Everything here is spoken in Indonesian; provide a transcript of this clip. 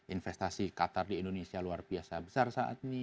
investasi qatar di indonesia luar biasa besar saat ini